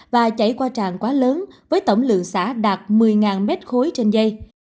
và chảy qua tràn quá lớn với tổng lượng xã đạt một mươi m ba trên dây